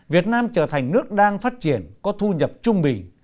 việt nam trở thành nước đang phát triển có thu nhập trung bình